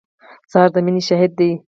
سهار د مینې شاهد دی.